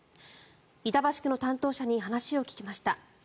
板橋区の担当者に話を聞きました。